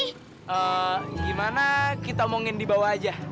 gimana kita omongin di bawah aja